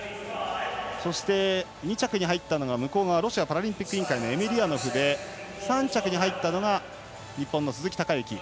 そして２着にロシアパラリンピック委員会のエメリアノフで、３着が日本の鈴木孝幸。